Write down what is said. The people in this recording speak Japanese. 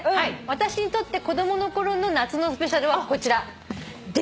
私にとって子供のころの夏のスペシャルはこちら。